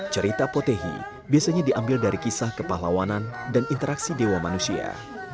cerita potehi biasanya diambil dari kisah kepahlawanan dan interaksi dewa manusia